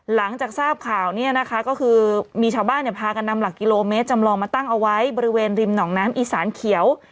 หลังจากทราบข่าวเนี่ยนะคะก็คือมีชาวบ้านพากันนำหลักกิโลเมตรจำลองมาตั้งเอาไว้บริเวณริมหนองน้ำอีสานเขียว